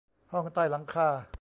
ห้องใต้หลังคา